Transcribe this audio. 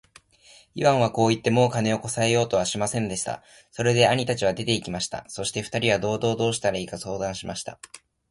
イワンはこう言って、もう金をこさえようとはしませんでした。それで兄たちは出て行きました。そして二人は道々どうしたらいいか相談しました。